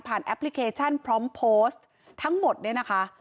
แอปพลิเคชันพร้อมโพสต์ทั้งหมดเนี่ยนะคะ